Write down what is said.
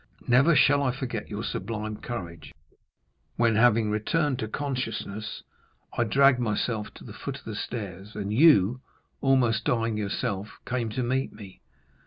Never shall I forget your sublime courage, when, having returned to consciousness, I dragged myself to the foot of the stairs, and you, almost dying yourself, came to meet me.